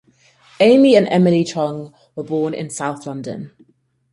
Amy and Emily Chung were born in South London.